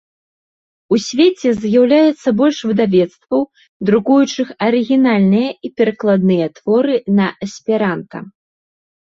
У свеце з'яўляецца больш выдавецтваў, друкуючых арыгінальныя і перакладныя творы на эсперанта.